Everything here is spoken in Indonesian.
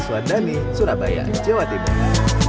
swadani surabaya jawa tenggara